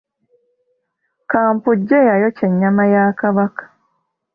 Kampujje y'ayokya ennyama ya Kabaka